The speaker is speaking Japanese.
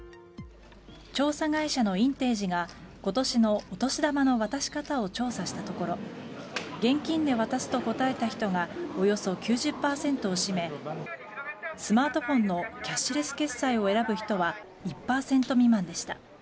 調査会社のインテージが今年のお年玉の渡し方を調査したところ現金で渡すと答えた人がおよそ９０％を占めスマートフォンのキャッシュレス決済を選ぶ人は１％未満でした。